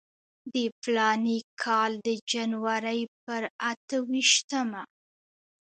د فلاني کال د جنورۍ پر اته ویشتمه.